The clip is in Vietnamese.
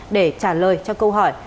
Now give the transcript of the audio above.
để trả lời cho câu hỏi